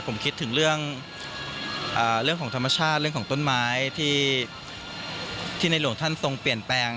ผมคิดถึงเรื่องของธรรมชาติเรื่องของต้นไม้ที่ในหลวงท่านทรงเปลี่ยนแปลง